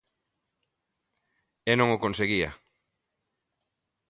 E non o conseguía.